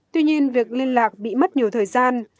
tuy nhiên việc liên lạc bị mất nhiều thời gian